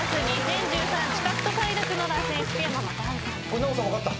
これ奈緒さん分かった？